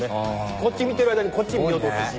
こっち見てる間にこっち見落とすし。